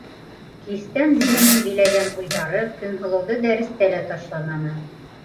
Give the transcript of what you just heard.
Кистән зиһенен биләгән уйҙары Көнһылыуҙы дәрестә лә ташламаны.